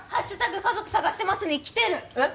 家族探してますにきてるえっ？